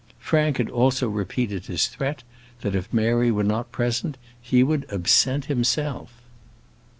Frank had also repeated his threat, that if Mary were not present, he would absent himself.